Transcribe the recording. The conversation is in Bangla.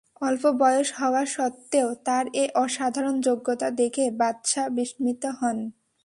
অল্প বয়স হওয়া সত্ত্বেও তাঁর এ অসাধারণ যোগ্যতা দেখে বাদশাহ বিস্মিত হন।